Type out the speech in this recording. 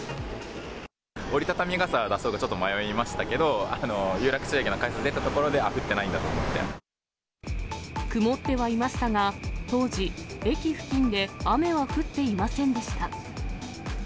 折り畳み傘、出そうかちょっと迷いましたけど、有楽町駅の改札出たところで、あっ、降ってな曇ってはいましたが、当時、駅付近で雨は降っていませんでした。